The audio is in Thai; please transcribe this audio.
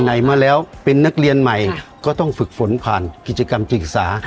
ไหนมาแล้วเป็นนักเรียนใหม่ก็ต้องฝึกฝนผ่านกิจกรรม